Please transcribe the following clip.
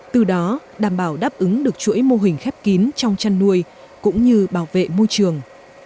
từ đó đảm bảo đáp ứng được chuỗi mô hình khép kín trong chăn nuôi cũng như bảo vệ môi trường